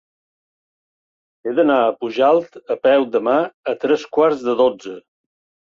He d'anar a Pujalt a peu demà a tres quarts de dotze.